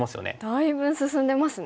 だいぶん進んでますね。